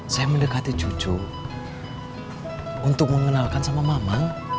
saya mendekati cucu untuk mengenalkan sama mama